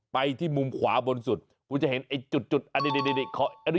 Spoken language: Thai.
ไปที่มุมขวาบนสุดคุณจะเห็นจุดอีกลีกก่อน